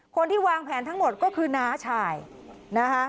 คนที่วางแผนทั้งหมดก็คือน้าชายนะคะ